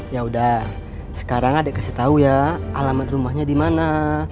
ya udah sekarang adik kasih tau ya alamat rumahnya di mana